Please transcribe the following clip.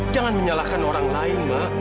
jangan menyalahkan orang lain mak